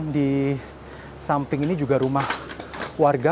di samping ini juga rumah warga